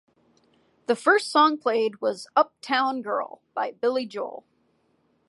The first song played was "Uptown Girl" by Billy Joel.